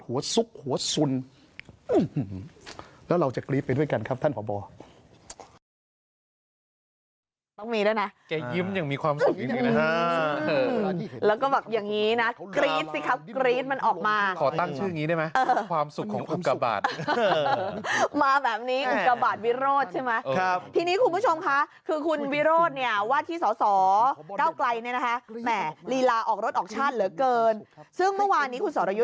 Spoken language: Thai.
ซุกหัวสุนแล้วเราจะกรี๊ดไปด้วยกันครับท่านพบ